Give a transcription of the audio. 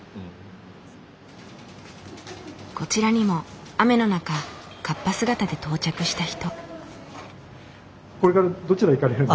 こちらにも雨の中カッパ姿で到着した人。